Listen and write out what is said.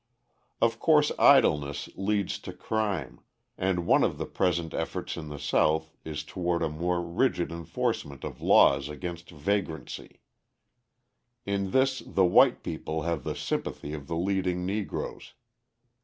Of course idleness leads to crime, and one of the present efforts in the South is toward a more rigid enforcement of laws against vagrancy. In this the white people have the sympathy of the leading Negroes.